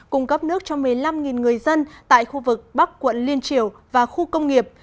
cung cấp nước cho một mươi năm người dân tại khu vực bắc quận liên triều và khu công nghiệp